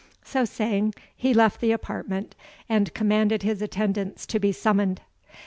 So saying, he left the apartment, and commanded his attendants to be summoned.